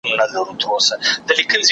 ستاسو مال باید د نورو د اذیت سبب نسي.